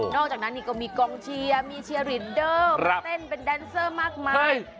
อกจากนั้นนี่ก็มีกองเชียร์มีเชียร์รินเดอร์เต้นเป็นแดนเซอร์มากมาย